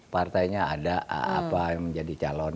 partainya ada apa yang menjadi calon